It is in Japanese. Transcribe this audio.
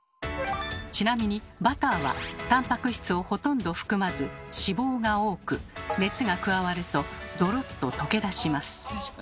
ちなみにバターはたんぱく質をほとんど含まず脂肪が多く熱が加わるとドロッと溶け出します。